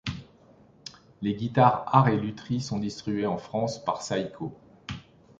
Les guitares Art & Lutherie sont distribuées en France par Saico.